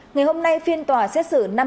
ngày hôm nay phiên tòa xét xử